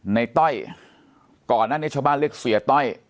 ในต้อยก่อนและนิชบ้านเลขเสียต้อย